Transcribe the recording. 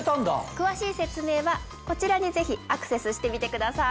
詳しい説明はこちらにぜひアクセスしてみてください。